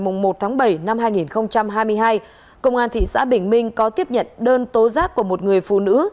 cơ quan công an thị xã bình minh có tiếp nhận đơn tố giác của một người phụ nữ